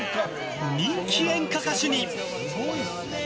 人気演歌歌手に。